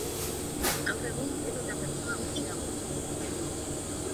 Gaur egun gero eta pertsona gutxiagok hitz egiten du.